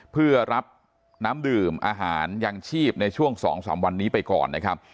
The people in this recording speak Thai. เพื่อรับน้ำดื่มอาหารยังชีพในช่วง๒๓วันนี้ไปก่อนนะครับ